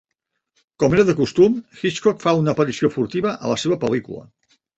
Com era de costum, Hitchcock fa una aparició furtiva a la seva pel·lícula.